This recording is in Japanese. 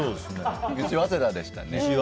西早稲田でしたね。